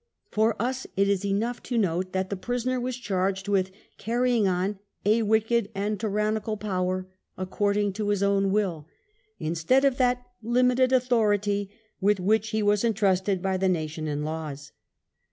For US it is enough to note that ^^^^' the prisoner was charged with carrying on "a wicked and tyrannical power, according to his own will ", instead of that "limited authority" with which he was intrusted by the nation and laws.